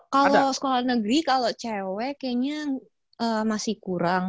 kalau sekolah negeri kalau cewek kayaknya masih kurang